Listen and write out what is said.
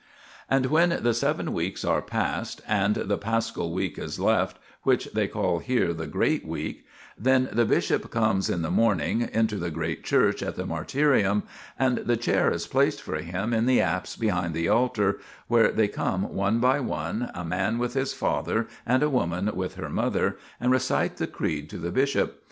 And when the seven weeks are past, [and] the Paschal week is left, which they call here the Great Week, then the bishop comes in the morning into the great church at the martyrium, and the chair is placed for him in the apse behind the altar, where they come one by one, a man with his father and a woman with her mother, and recite the Creed to the bishop.